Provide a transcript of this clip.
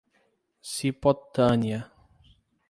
Cipotânea